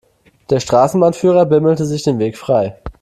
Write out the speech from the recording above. Der Straßenbahnführer bimmelte sich den Weg frei.